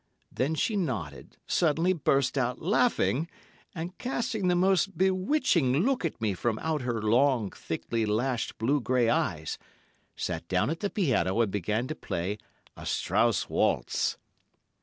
Then she nodded, suddenly burst out laughing, and casting the most bewitching look at me from out her long, thickly lashed blue grey eyes, sat down at the piano and began to play a Strauss waltz.